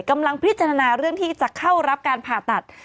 กำลังพิจารณาเรื่องที่จะเข้ารับการผ่าตัด